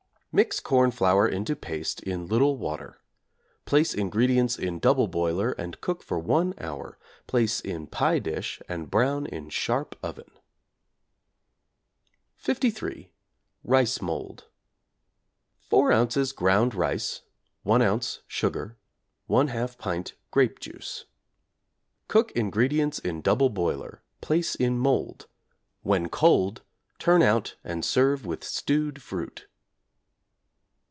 Mix corn flour into paste in little water; place ingredients in double boiler and cook for 1 hour, place in pie dish and brown in sharp oven. =53. Rice Mould= 4 ozs. ground rice, 1 oz. sugar, 1/2 pint grape juice. Cook ingredients in double boiler, place in mould. When cold turn out and serve with stewed fruit.